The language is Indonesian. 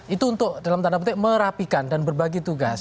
itu untuk dalam tanda petik merapikan dan berbagi tugas